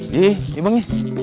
yuk yuk bang